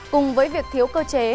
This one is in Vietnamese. cùng với việc thiếu cơ chế